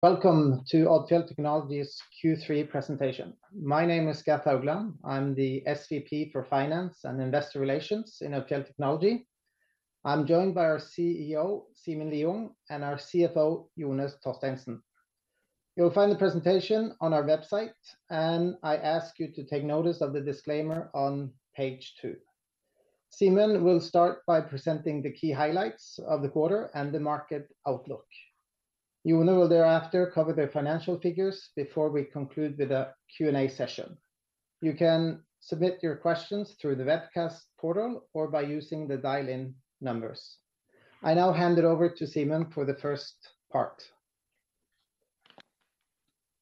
Welcome to Odfjell Technology's Q3 presentation. My name is Gert Haugland. I'm the SVP for Finance and Investor Relations in Odfjell Technology. I'm joined by our CEO, Simen Lieungh, and our CFO, Jone Torstensen. You'll find the presentation on our website, and I ask you to take notice of the disclaimer on page two. Simen will start by presenting the key highlights of the quarter and the market outlook. You will thereafter cover the financial figures before we conclude with a Q&A session. You can submit your questions through the webcast portal or by using the dial-in numbers. I now hand it over to Simen for the first part.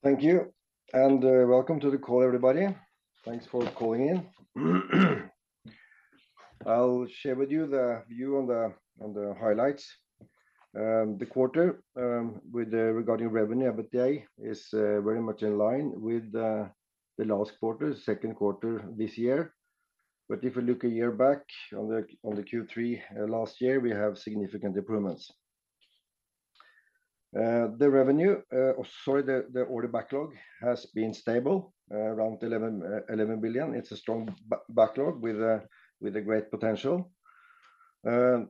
Thank you, and welcome to the call everybody. Thanks for calling in. I'll share with you the view on the highlights. The quarter with the regarding revenue, EBITDA, is very much in line with the last quarter, second quarter this year. But if you look a year back on the Q3 last year, we have significant improvements. The revenue, sorry, the order backlog has been stable around 11 billion. It's a strong backlog with a great potential.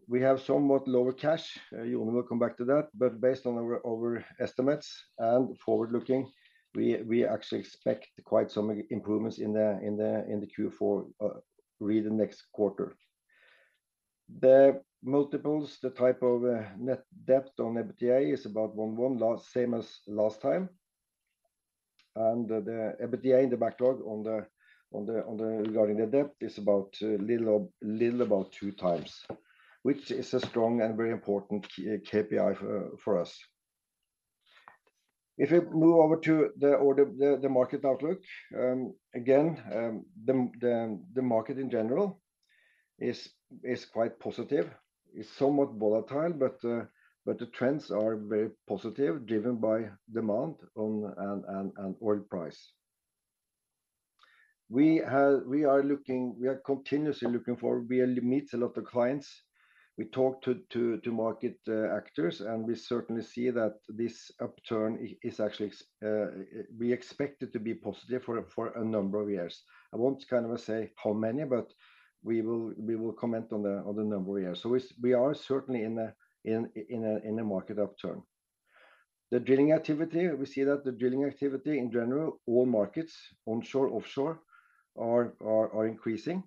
We have somewhat lower cash, you will come back to that, but based on our estimates and forward-looking, we actually expect quite some improvements in the Q4 really next quarter. The multiples, the type of net debt on EBITDA is about one-one, same as last time. And the EBITDA in the backlog on the, on the, on the regarding the debt is about a little about 2x, which is a strong and very important key KPI for us. If we move over to the order, the market outlook, again the market in general is quite positive. It's somewhat volatile, but the trends are very positive, driven by demand and oil price. We are looking, we are continuously looking forward. We meet a lot of clients. We talk to market actors, and we certainly see that this upturn is actually, we expect it to be positive for a number of years. I won't kind of say how many, but we will comment on the number of years. So we are certainly in a market upturn. The drilling activity, we see that the drilling activity in general, all markets, onshore, offshore, are increasing.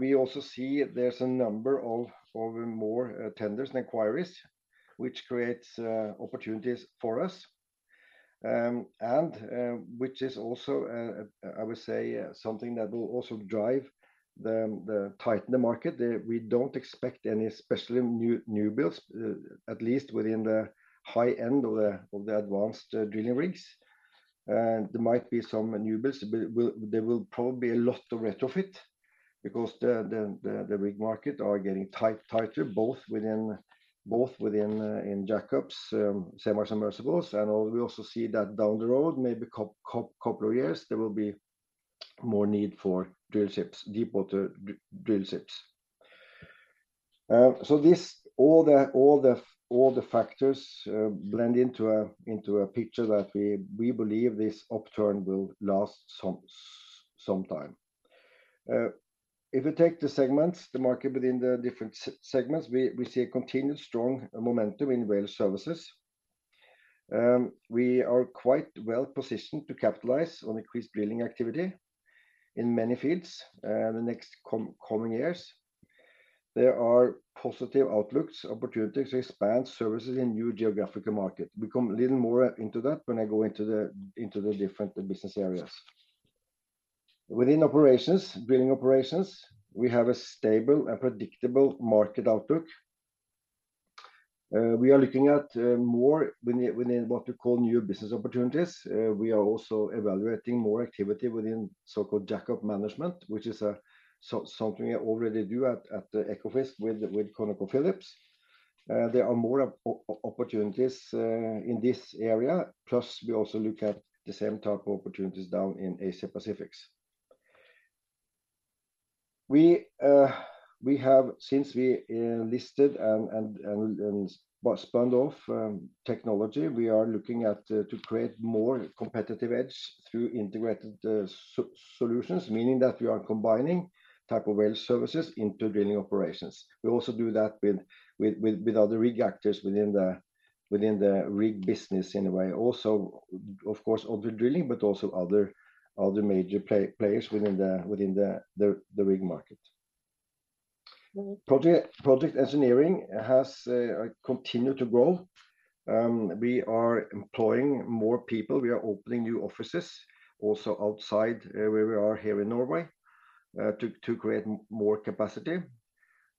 We also see there's a number of more tenders and inquiries, which creates opportunities for us, and which is also, I would say, something that will also drive the tight in the market. We don't expect any, especially new builds, at least within the high end of the advanced drilling rigs. There might be some new builds, but there will probably be a lot of retrofit because the rig market are getting tight, tighter, both within jack-ups, semi-submersibles, and we also see that down the road, maybe couple of years, there will be more need for drillships, deepwater drillships. So all the factors blend into a picture that we believe this upturn will last some time. If you take the segments, the market within the different segments, we see a continued strong momentum in Well Services. We are quite well positioned to capitalize on increased drilling activity in many fields, in the next coming years. There are positive outlooks, opportunities to expand services in new geographical market. We come a little more into that when I go into the different business areas. Within Operations, drilling operations, we have a stable and predictable market outlook. We are looking at more within what we call new business opportunities. We are also evaluating more activity within so-called jack-up management, which is something we already do at the Ekofisk with ConocoPhillips. There are more opportunities in this area, plus we also look at the same type of opportunities down in Asia Pacific. We have, since we listed and spun off technology, we are looking at to create more competitive edge through integrated solutions, meaning that we are combining type of well services into drilling operations. We also do that with other rig actors within the rig business in a way. Also, of course, other drilling, but also other major players within the rig market. Project Engineering has continued to grow. We are employing more people. We are opening new offices also outside where we are here in Norway, to create more capacity.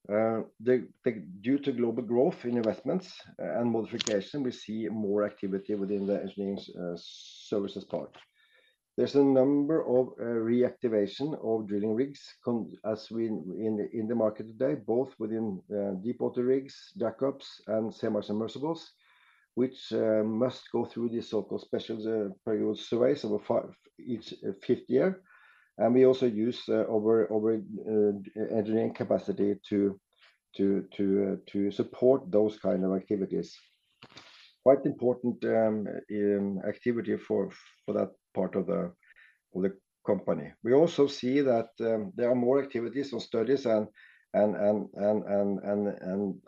Due to global growth in investments and modification, we see more activity within the engineering services part. There's a number of reactivation of drilling rigs as we in the market today, both within deepwater rigs, jack-ups, and semi-submersibles, which must go through these so-called special periodic surveys over five, each fifth year. We also use our engineering capacity to support those kind of activities. Quite important activity for that part of the company. We also see that there are more activities on studies and I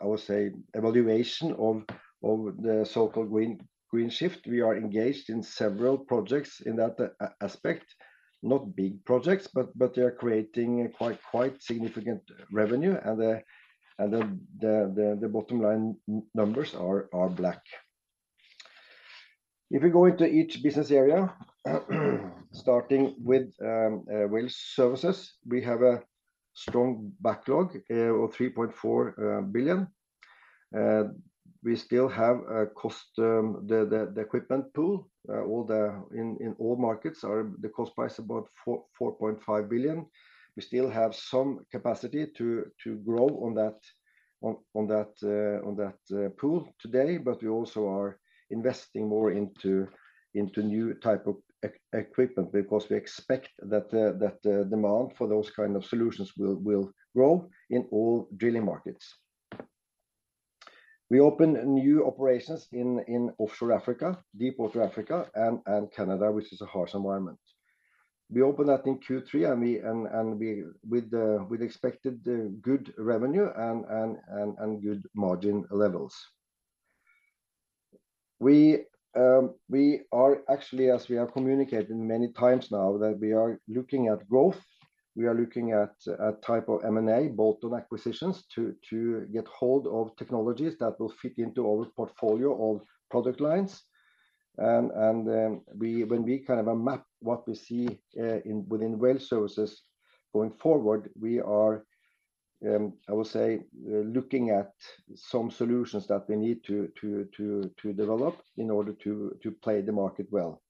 would say evaluation of the so-called green shift. We are engaged in several projects in that aspect, not big projects, but they are creating quite significant revenue and the bottom line numbers are black. If you go into each business area, starting with Well Services, we have a strong backlog of 3.4 billion. We still have a cost, the equipment pool in all markets are the cost price about 4.5 billion. We still have some capacity to grow on that, on that pool today, but we also are investing more into new type of equipment, because we expect that the demand for those kind of solutions will grow in all drilling markets. We opened new operations in offshore Africa, deepwater Africa, and Canada which is a harsh environment. We opened that in Q3, and we with the expected good revenue and good margin levels. We are actually, as we have communicated many times now, that we are looking at growth. We are looking at a type of M&A, bolt-on acquisitions, to get hold of technologies that will fit into our portfolio of product lines. When we kind of map what we see in within Well Services going forward, we are, I would say, looking at some solutions that we need to develop in order to play the market well.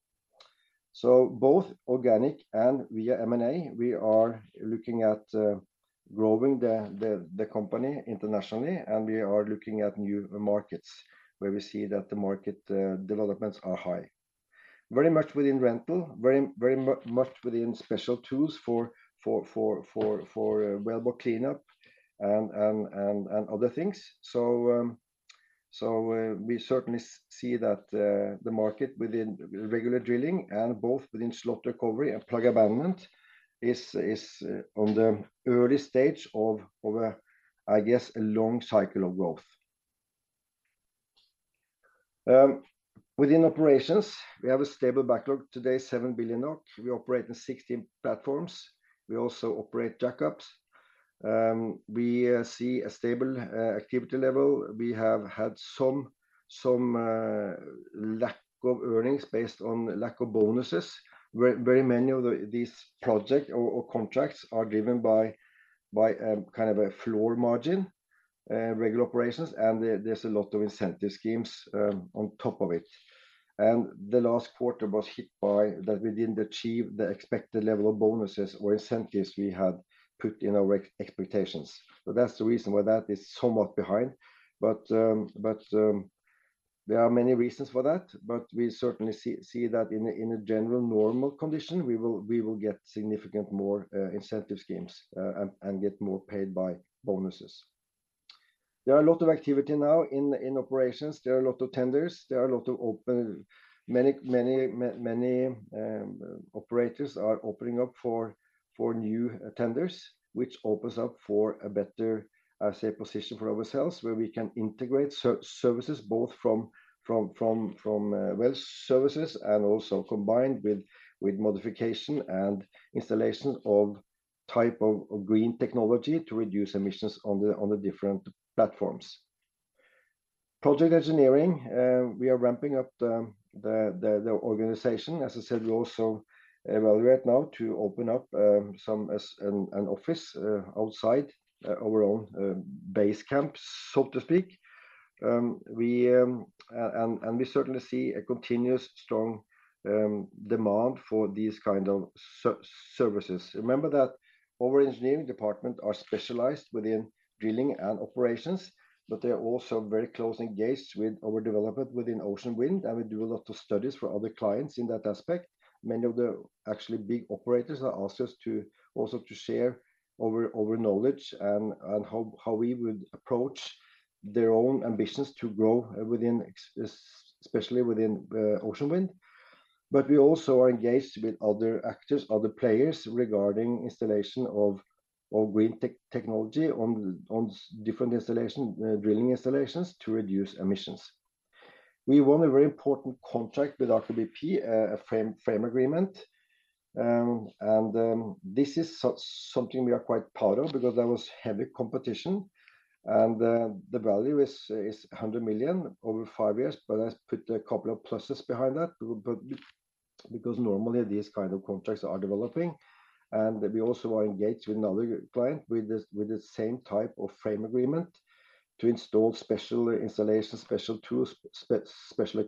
So both organic and via M&A, we are looking at growing the company internationally, and we are looking at new markets where we see that the market developments are high. Very much within rental, very much within special tools for wellbore cleanup and other things. So, we certainly see that the market within regular drilling and both within slot recovery and plug abandonment is on the early stage of a long cycle of growth. Within Operations, we have a stable backlog. Today, 7 billion NOK. We operate in 16 platforms. We also operate jack-ups. We see a stable activity level. We have had some lack of earnings based on lack of bonuses. Very many of these projects or contracts are driven by kind of a floor margin regular operations, and there's a lot of incentive schemes on top of it. And the last quarter was hit by that we didn't achieve the expected level of bonuses or incentives we had put in our expectations. So that's the reason why that is somewhat behind. But there are many reasons for that but we certainly see that in a general normal condition, we will get significant more incentive schemes and get more paid by bonuses. There are a lot of activity now in Operations. There are a lot of tenders, there are a lot of open. Many, many, many operators are opening up for new tenders, which opens up for a better I say position for ourselves, where we can integrate services both from Well Services and also combined with modification and installation of type of green technology to reduce emissions on the different platforms. Project Engineering, we are ramping up the organization. As I said, we also evaluate now to open up some, as an office outside our own base camps, so to speak. We and we certainly see a continuous strong demand for these kind of services. Remember that our engineering department are specialized within drilling and operations, but they are also very close engaged with our development within ocean wind, and we do a lot of studies for other clients in that aspect. Many of the actually big operators are asked us to also to share our knowledge and how we would approach their own ambitions to grow within especially within ocean wind. But we also are engaged with other actors, other players, regarding installation of green technology on different installation drilling installations to reduce emissions. We won a very important contract with Aker BP, a frame agreement, and this is something we are quite proud of because there was heavy competition, and the value is 100 million over five years, but let's put a couple of pluses behind that, because normally these kind of contracts are developing. We also are engaged with another client with the same type of frame agreement to install special installation, special tools, special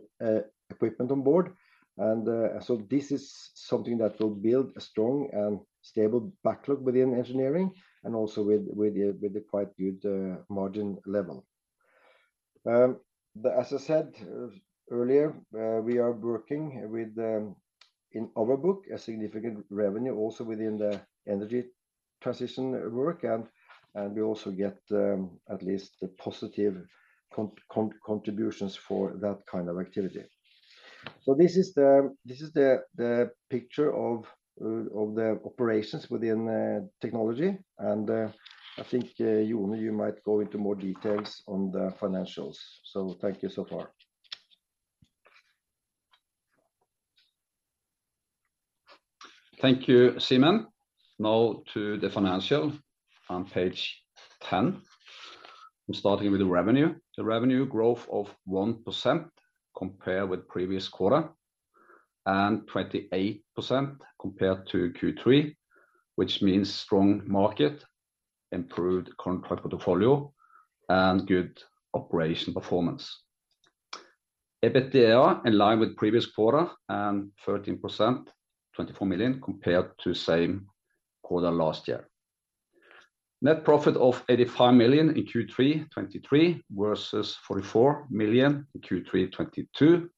equipment on board. And so this is something that will build a strong and stable backlog within engineering and also with a quite good margin level. As I said earlier, we are working with, in our book, a significant revenue, also within the energy sector transition work and we also get at least the positive contributions for that kind of activity. So this is the picture of the Operations within technology. And I think Jone, you might go into more details on the financials. So thank you so far. Thank you, Simen. Now to the financial on page ten. I'm starting with the revenue. The revenue growth of 1% compared with previous quarter, and 28% compared to Q3, which means strong market, improved contract portfolio, and good operation performance. EBITDA in line with previous quarter and 13%, 24 million, compared to same quarter last year. Net profit of 85 million in Q3 2023 versus 44 million in Q3 2022.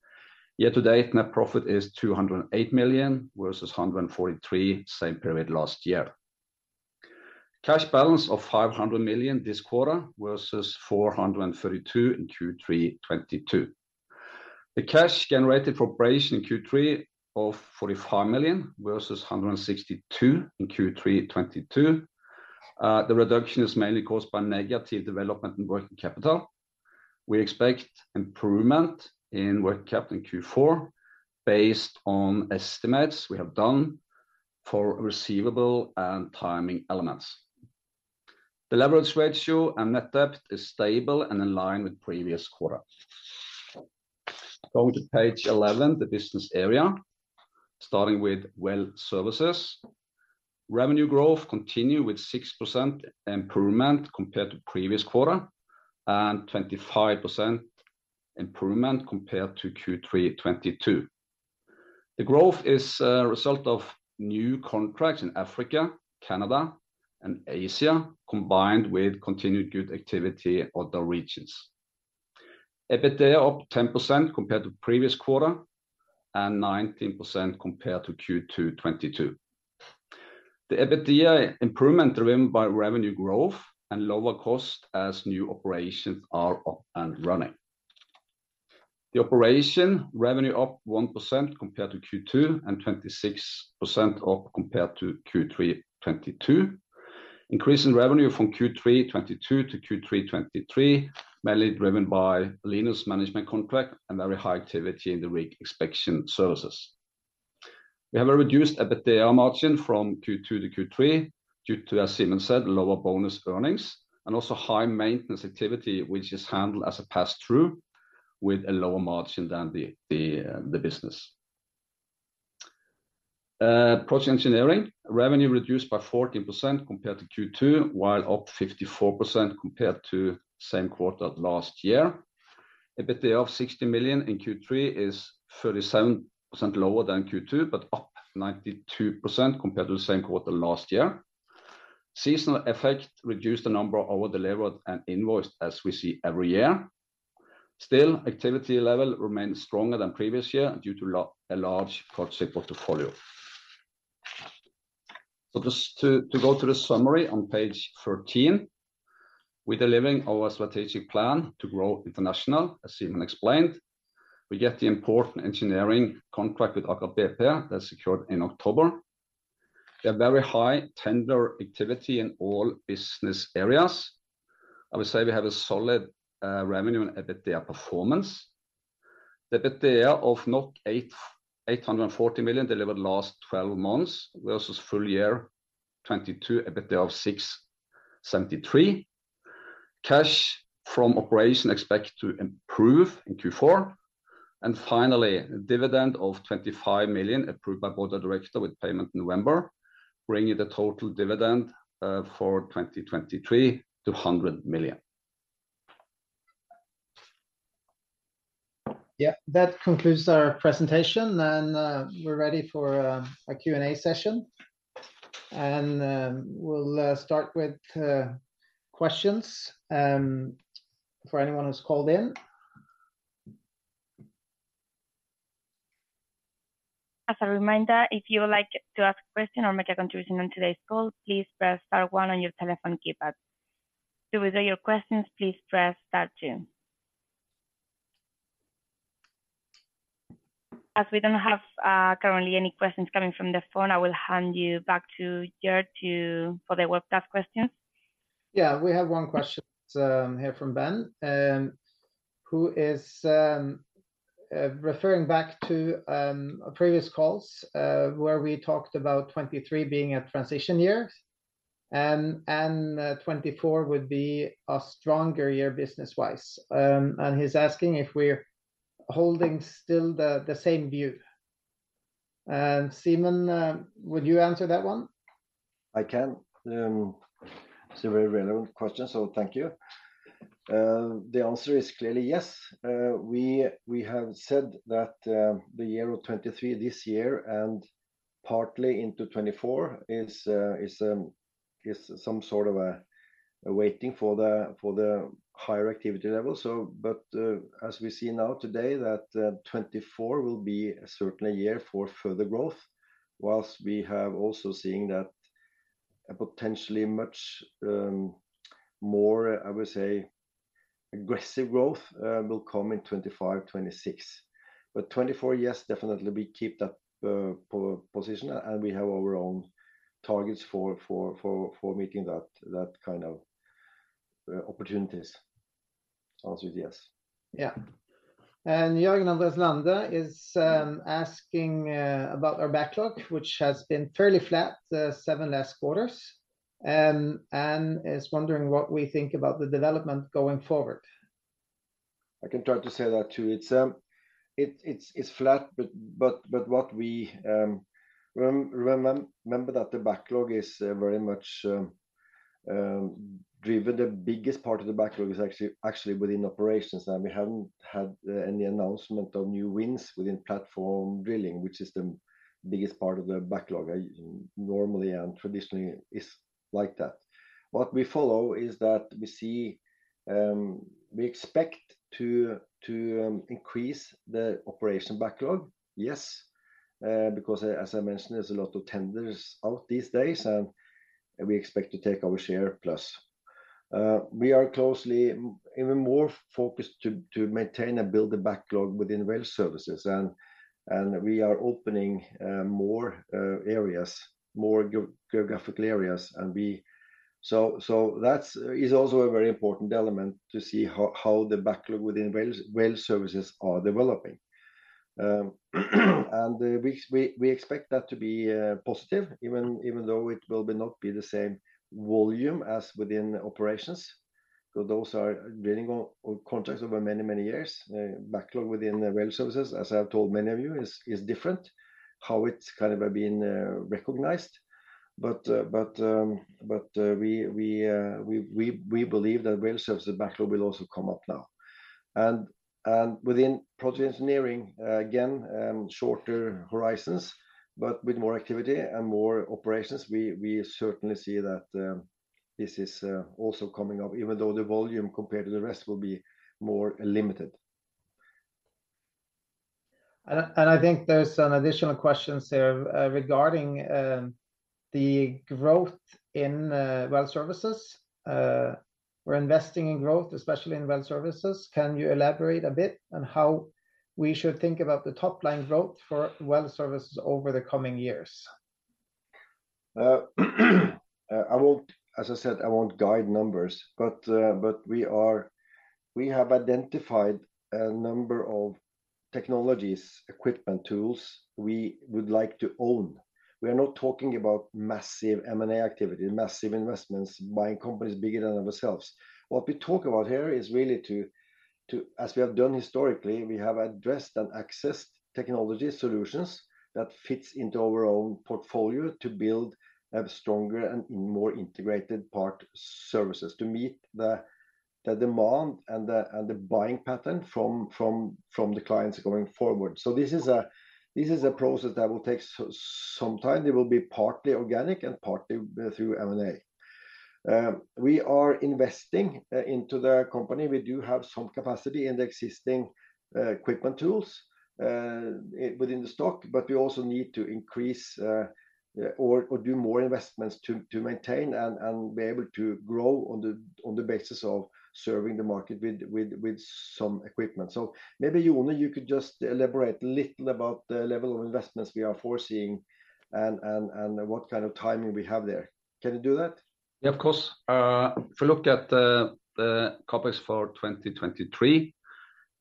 Year-to-date, net profit is 208 million versus 143 million same period last year. Cash balance of 500 million this quarter versus 432 million in Q3 2022. The cash generated from operation in Q3 of 45 million versus 162 million in Q3 2022. The reduction is mainly caused by negative development in working capital. We expect improvement in working capital in Q4, based on estimates we have done for receivable and timing elements. The leverage ratio and net debt is stable and in line with previous quarter. Going to page 11, the business area, starting with Well Services. Revenue growth continue with 6% improvement compared to previous quarter, and 25% improvement compared to Q3 2022. The growth is a result of new contracts in Africa, Canada, and Asia, combined with continued good activity other regions. EBITDA up 10% compared to previous quarter and 19% compared to Q2 2022. The EBITDA improvement driven by revenue growth and lower cost as new operations are up and running. The operation revenue up 1% compared to Q2, and 26% up compared to Q3 2022. Increase in revenue from Q3 2022 to Q3 2023, mainly driven by Linus management contract and very high activity in the rig inspection services. We have a reduced EBITDA margin from Q2 to Q3, due to, as Simen said, lower bonus earnings and also high maintenance activity, which is handled as a passthrough with a lower margin than the business. Project Engineering, revenue reduced by 14% compared to Q2, while up 54% compared to same quarter last year. EBITDA of 60 million in Q3 is 37% lower than Q2, but up 92% compared to the same quarter last year. Seasonal effect reduced the number over-delivered and invoiced, as we see every year. Still, activity level remains stronger than previous year due to a large project portfolio. So just to go to the summary on page 13. We're delivering our strategic plan to grow international, as Simen explained. We get the important engineering contract with Aker BP that secured in October. We have very high tender activity in all business areas. I would say we have a solid revenue and EBITDA performance. The EBITDA of 840 million delivered last twelve months, versus full year 2022, EBITDA of 673 million. Cash from operation expected to improve in Q4. Finally, a dividend of 25 million approved by Board of Director with payment November, bringing the total dividend for 2023 to NOK 100 million. Yeah, that concludes our presentation and we're ready for a Q&A session. We'll start with questions for anyone who's called in. As a reminder, if you would like to ask a question or make a contribution on today's call, please press star one on your telephone keypad. To withdraw your questions, please press star two. As we don't have currently any questions coming from the phone, I will hand you back to Gert for the webcast questions. Yeah, we have one question here from Ben, who is referring back to previous calls where we talked about 2023 being a transition year, and 2024 would be a stronger year business-wise. And he's asking if we're holding still the same view. And Simen, would you answer that one? I can. It's a very relevant question, so thank you. The answer is clearly yes. We have said that the year of 2023, this year, and partly into 2024, is some sort of a waiting for the higher activity level. So but, as we see now today, that 2024 will be certainly a year for further growth, whilst we have also seen that a potentially much more, I would say, aggressive growth will come in 2025, 2026. But 2024, yes, definitely we keep that position, and we have our own targets for meeting that kind of opportunities. Answer is yes. Yeah. And Jørgen Lande is asking about our backlog, which has been fairly flat the seven last quarters, and is wondering what we think about the development going forward. I can try to say that, too. It's flat, but what we - remember that the backlog is very much driven. The biggest part of the backlog is actually within Operations, and we haven't had any announcement of new wins within platform drilling, which is the biggest part of the backlog. Normally and traditionally is like that. What we follow is that we see we expect to increase the operation backlog, yes because as I mentioned, there's a lot of tenders out these days, and we expect to take our share plus. We are closely, even more focused to maintain and build the backlog within Well Services, and we are opening more areas, more geographical areas. So that is also a very important element to see how the backlog within Well Services are developing. And we expect that to be positive, even though it will not be the same volume as within Operations, so those are drilling on contracts over many years. Backlog within the Well Services, as I've told many of you, is different, how it's kind of been recognized. But we believe that Well Services backlog will also come up now. And within Projects & Engineering, again shorter horizons, but with more activity and more operations, we certainly see that this is also coming up, even though the volume compared to the rest will be more limited. I think there's some additional questions here, regarding the growth in Well Services. We're investing in growth, especially in Well Services. Can you elaborate a bit on how we should think about the top-line growth for Well Services over the coming years? As I said, I won't guide numbers, but, but we have identified a number of technologies, equipment, tools we would like to own. We are not talking about massive M&A activity, massive investments, buying companies bigger than ourselves. What we talk about here is really to, as we have done historically, we have addressed and accessed technology solutions that fits into our own portfolio to build a stronger and more integrated well services to meet the demand and the buying pattern from the clients going forward. So this is a process that will take some time. It will be partly organic and partly through M&A. We are investing into the company. We do have some capacity in the existing equipment tools within the stock, but we also need to increase or do more investments to maintain and be able to grow on the basis of serving the market with some equipment. So maybe Jone, you could just elaborate a little about the level of investments we are foreseeing and what kind of timing we have there. Can you do that? Yeah, of course. If you look at the the CapEx for 2023,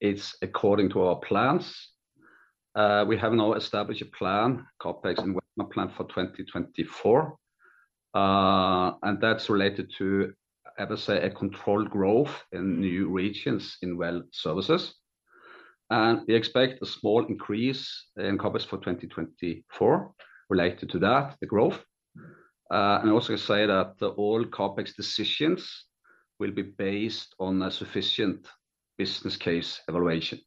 it's according to our plans. We have now established a plan, CapEx and whatnot plan for 2024, and that's related to, how to say, a controlled growth in new regions in well services. And we expect a small increase in CapEx for 2024 related to that, the growth. And also say that all CapEx decisions will be based on a sufficient business case evaluation.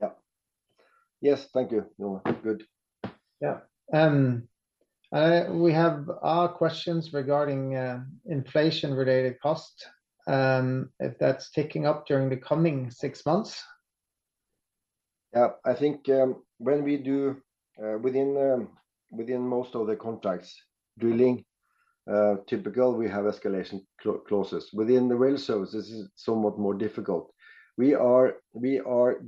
Yeah. Yes thank you, Jone. Good. Yeah. We have questions regarding inflation-related cost if that's ticking up during the coming six months. Yeah, I think, when we do, within most of the contracts, drilling typical, we have escalation clauses. Within the well services, this is somewhat more difficult. We are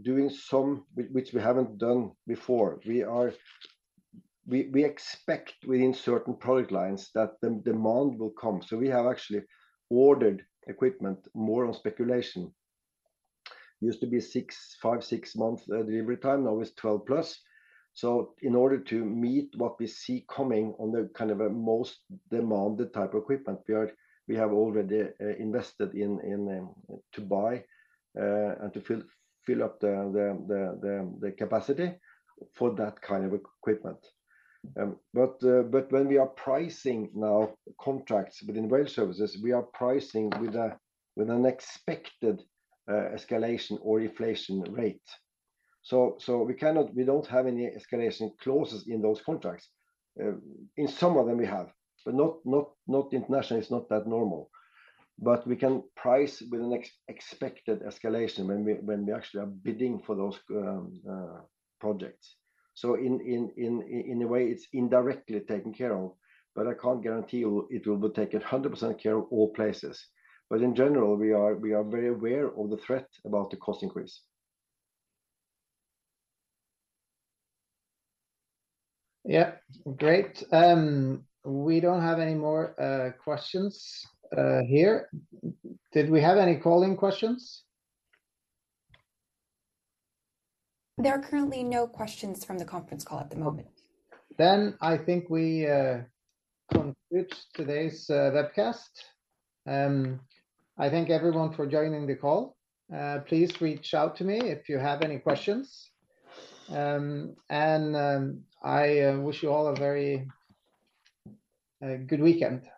doing some, which we haven't done before. We expect within certain product lines that the demand will come, so we have actually ordered equipment more on speculation. Used to be 5-6 months delivery time, now it's 12+. So in order to meet what we see coming on the kind of a most demanded type of equipment, we have already invested in to buy and to fill up the capacity for that kind of equipment. But when we are pricing now contracts within Well Services, we are pricing with an expected escalation or inflation rate. So we cannot, we don't have any escalation clauses in those contracts. In some of them we have, but not internationally, it's not that normal. But we can price with an expected escalation when we actually are bidding for those projects. So in a way, it's indirectly taken care of but I can't guarantee you it will be taken 100% care of all places. But in general, we are very aware of the threat about the cost increase. Yeah, great. We don't have any more questions here. Did we have any call-in questions? There are currently no questions from the conference call at the moment. Then I think we conclude today's webcast. I thank everyone for joining the call. Please reach out to me if you have any questions. I wish you all a very good weekend.